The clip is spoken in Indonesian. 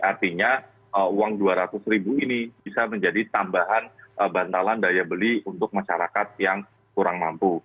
artinya uang dua ratus ribu ini bisa menjadi tambahan bantalan daya beli untuk masyarakat yang kurang mampu